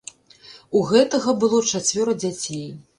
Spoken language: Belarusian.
У гэтага было чацвёра дзяцей.